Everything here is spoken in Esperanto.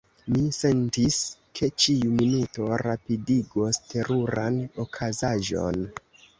Mi sentis, ke ĉiu minuto rapidigos teruran okazaĵon.